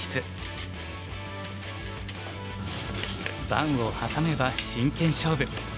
盤を挟めば真剣勝負。